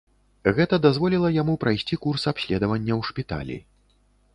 Гэта дазволіла яму прайсці курс абследавання ў шпіталі.